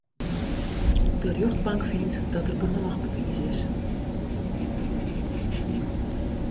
De rjochtbank fynt dat der genôch bewiis is.